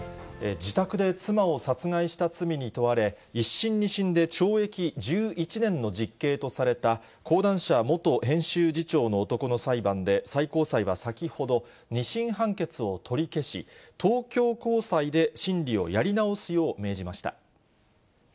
自宅で妻を殺害した罪に問われ、１審、２審で懲役１１年の実刑とされた、講談社元編集次長の男の裁判で、最高裁は先ほど、２審判決を取り消し、東京高裁で審理をやり直すよう命じました。